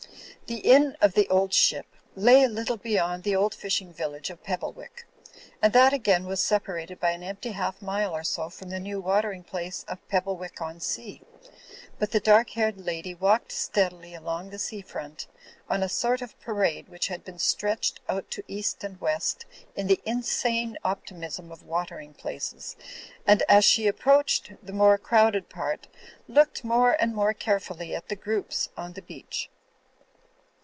The inn of "The Old Ship" lay a little beyond the old fishing village of Pebblewick; and that again was separated by an empty half mile or so from the new watering place of Pebblewick on Sea. But the dark haired lady walked steadily along the sea front, on a sort of parade which had been stretched out to east and west in the insane optimism of watering places, and, as she approached the more crowded part, looked more and more carefully at the groups on the beach.